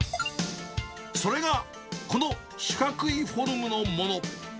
それがこの四角いフォルムのもの。